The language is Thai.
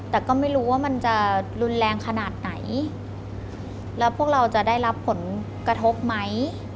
แต่ก็ไม่รู้ว่ามันจะรุนแรงขนาดไหนแล้วพวกเราจะได้รับผลกระทบไหม